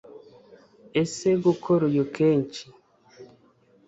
ese gukora uyu kenshi